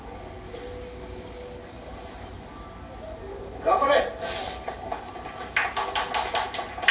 頑張れ！